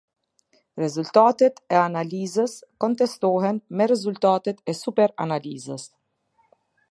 Rezultatet e analizës kontestohen me rezultatet e superanalizës.